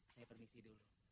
saya permisi dulu